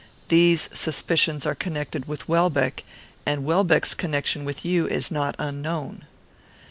These suspicions are connected with Welbeck, and Welbeck's connection with you is not unknown."